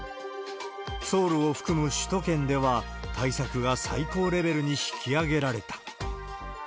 ソウルを含む首都圏では、対策が最高レベルに引き上げられた。